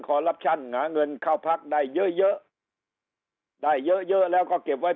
ขอรับชั่นหาเงินเข้าพักได้เยอะได้เยอะแล้วก็เก็บไว้